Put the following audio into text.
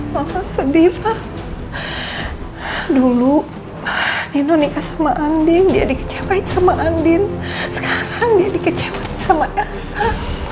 mama sedih ma dulu nino nikah sama andin dia dikecewain sama andin sekarang dia dikecewain sama elsa